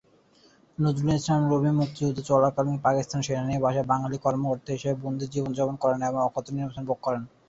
নজরুল ইসলাম রবি মুক্তিযুদ্ধ চলাকালে পাকিস্তান সেনানিবাসে বাঙালি কর্মকর্তা হিসেবে বন্দি জীবনযাপন করেন এব অকথ্য নির্যাতন ভোগ করেন।